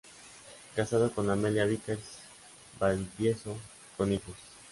Casado con Amelia Vickers Valdivieso, con hijos.